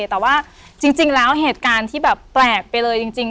แต่ว่าจริงแล้วเหตุการณ์ที่แบบแปลกไปเลยจริง